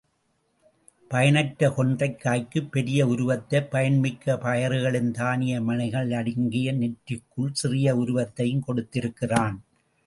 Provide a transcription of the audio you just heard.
பயனற்ற கொன்றைக் காய்க்குப் பெரிய உருவத்தையும் பயன் மிக்க பயறுகளின் தானிய மணிகளடங்கிய நெற்றுக்களுக்குச் சிறிய உருவத்தையும் கொடுத்திருக்கிறான்.